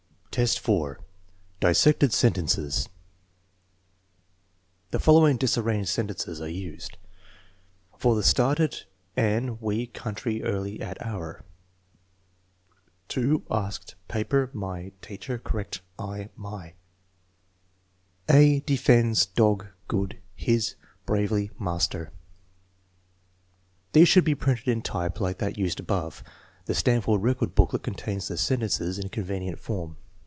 1 XII, 4. Dissected sentences The following disarranged sentences are used: FOR THE STARTED AN WE COUNTRY EARLY AT HOUR TO ASEED PAPER MY TEACHER CORRECT I MY A DEPENDS DOG GOOD HIS BRAVELY MASTER These should be printed in type like that used above. The Stanford record booklet contains the sentences in convenient form.